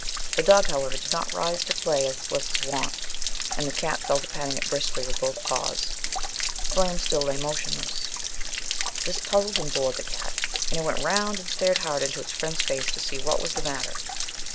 The dog, however, did not rise to play as was his wont, and the cat fell to patting it briskly with both paws. Flame still lay motionless. This puzzled and bored the cat, and it went round and stared hard into its friend's face to see what was the matter.